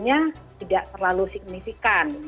angkanya tidak terlalu signifikan